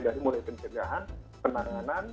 mulai dari pencegahan penanganan